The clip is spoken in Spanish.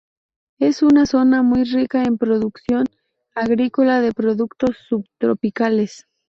Es una zona muy rica en producción agrícola de productos subtropicales.